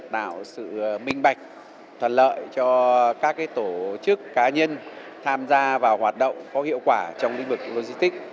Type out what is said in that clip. tạo sự minh bạch thuận lợi cho các tổ chức cá nhân tham gia vào hoạt động có hiệu quả trong lĩnh vực logistics